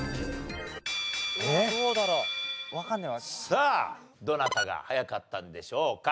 さあどなたが早かったんでしょうか？